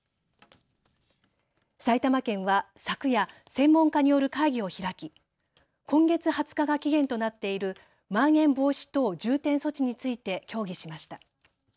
埼玉県は昨夜、専門家による会議を開き今月２０日が期限となっているまん延防止等重点措置について協議しました。